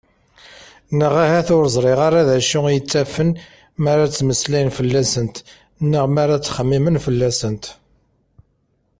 Neɣ ahat ur ẓriɣ ara d acu i ttafen mi ara ttmeslayen fell-asent neɣ mi ara ttxemmimen fell-asent.